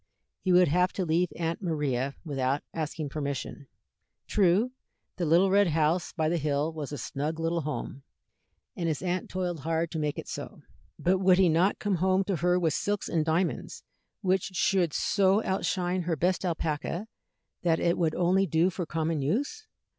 He would have to leave Aunt Maria without asking permission. True, the little red house by the hill was a snug little home, and his aunt toiled hard to make it so; but would he not come home to her with silks and diamonds which should so outshine her best alpaca that it would only do for common use?